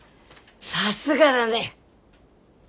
さすがだね。